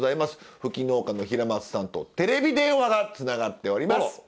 フキ農家の平松さんとテレビ電話がつながっております。